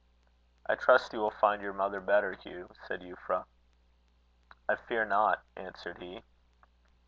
"I trust you will find your mother better, Hugh" said Euphra. "I fear not," answered he.